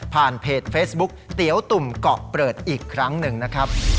เพจเฟซบุ๊กเตี๋ยวตุ่มเกาะเปิดอีกครั้งหนึ่งนะครับ